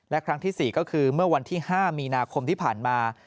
และครั้งที่๔ก็คือเมื่อวันที่๕มีนาคมที่ผ่านมา